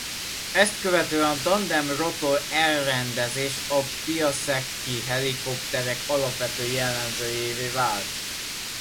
Ezt követően a tandem rotor-elrendezés a Piasecki-helikopterek alapvető jellemzőjévé vált.